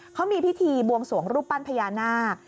เขามีพิธีบวงสวงรูปปั้นพญานาค